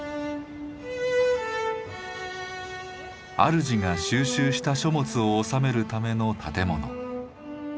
主が収集した書物を収めるための建物。